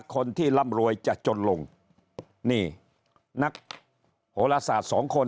คนที่ร่ำรวยจะจนลงนี่นักโหลศาสตร์สองคน